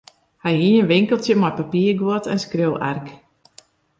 Hy hie in winkeltsje mei papierguod en skriuwark.